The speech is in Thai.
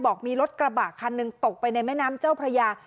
บอกมีรถกระบะคันหนึ่งตกไปในแม่น้ำเจ้าพระยา